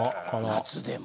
夏でも？